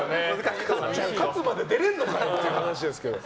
勝つまで出れんのかっていう話ですけど。